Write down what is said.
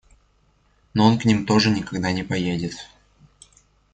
Но он к ним тоже никогда не поедет.